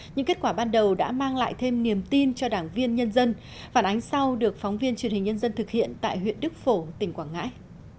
những kết quả ban đầu đã mang lại thêm niềm tin cho đảng viên nhân dân phản ánh sau được phóng viên truyền hình nhân dân thực hiện tại huyện đức phổ tỉnh quảng ngãi